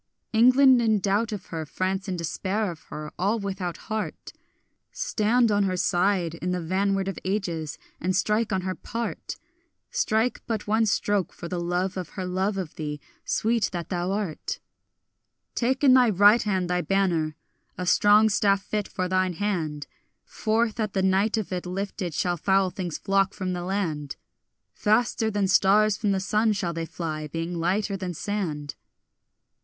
England in doubt of her, France in despair of her, all without heart— Stand on her side in the vanward of ages, and strike on her part! Strike but one stroke for the love of her love of thee, sweet that thou art! Take in thy right hand thy banner, a strong staff fit for thine hand; Forth at the light of it lifted shall foul things flock from the land; Faster than stars from the sun shall they fly, being lighter than sand.